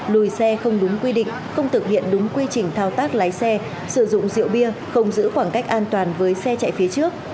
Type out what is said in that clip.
lùi xe không đúng quy định không thực hiện đúng quy trình thao tác lái xe sử dụng rượu bia không giữ khoảng cách an toàn với xe chạy phía trước